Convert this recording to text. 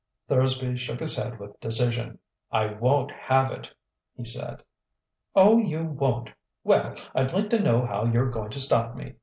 Thursby shook his head with decision. "I won't have it," he said. "Oh, you won't? Well, I'd like to know how you're going to stop me.